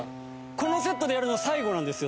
このセットでやるの最後なんですよ